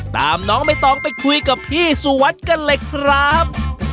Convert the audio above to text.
ตามน้องใบตองไปคุยกับพี่สุวัสดิ์กันเลยครับ